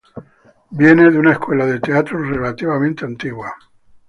Viene de una escuela de teatro relativamente antigua.